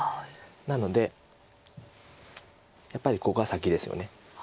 なのでやっぱりここが先ですよね。